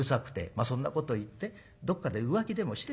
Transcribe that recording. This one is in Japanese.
『まあそんなこと言ってどっかで浮気でもしてたんでしょ。